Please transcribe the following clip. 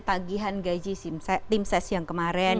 tagihan gaji tim ses yang kemarin